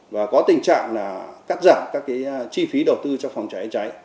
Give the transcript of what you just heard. và có tình trạng là cắt giảm các chi phí đầu tư cho phòng cháy cháy